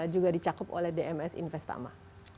juga dicakup oleh dms investama